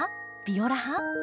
ビオラ派？